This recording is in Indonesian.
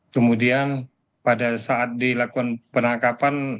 kemudian pada saat dilakukan penangkapan